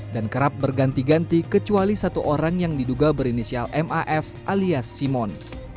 dan kerap berganti ganti kecuali satu orang yang diduga berinisial maf alias simon